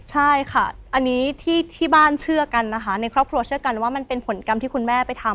ใช่ค่ะอันนี้ที่บ้านเชื่อกันนะคะในครอบครัวเชื่อกันว่ามันเป็นผลกรรมที่คุณแม่ไปทำ